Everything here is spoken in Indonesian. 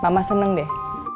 mama seneng deh